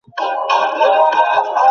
আপনি সে ব্যাপারে নিশ্চিত থাকতে পারেন।